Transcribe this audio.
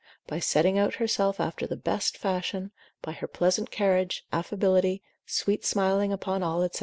by setting out herself after the best fashion, by her pleasant carriage, affability, sweet smiling upon all, &c.